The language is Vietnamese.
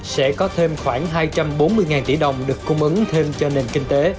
sẽ có thêm khoảng hai trăm bốn mươi tỷ đồng được cung ứng thêm cho nền kinh tế